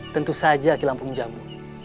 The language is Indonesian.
tentu saja kilampung jamu